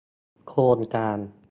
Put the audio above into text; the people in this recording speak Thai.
โครงการ